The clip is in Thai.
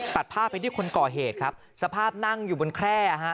ตัดภาพไปที่คนก่อเหตุครับสภาพนั่งอยู่บนแคร่ฮะ